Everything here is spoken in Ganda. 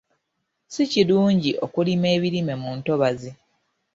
Si kirungi okulima ebirime mu ntobazi.